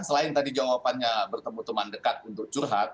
selain tadi jawabannya bertemu teman dekat untuk curhat